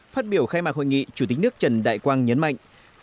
phát biểu khai mạc hội nghị chủ tịch nước trần đại quang nhấn mạnh